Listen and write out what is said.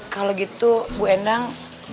kalau gitu bu endang